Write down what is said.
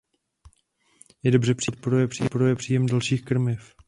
Je dobře přijímán a podporuje příjem dalších krmiv.